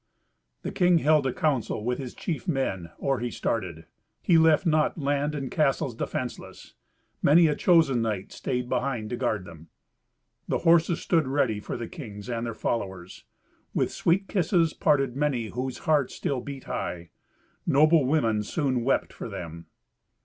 The king held a council with his chief men or he started. He left not land and castles defenceless. Many a chosen knight stayed behind to guard them. The horses stood ready for the kings and their followers. With sweet kisses parted many whose hearts still beat high. Noble women soon wept for them.